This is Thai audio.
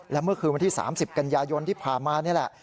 และเมื่อคืนวันที่๓๐กันยายนที่ผ่านมานี่แหละ